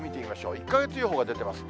１か月予報が出てます。